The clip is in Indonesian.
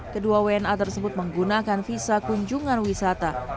kedua wna tersebut menggunakan visa kunjungan wisata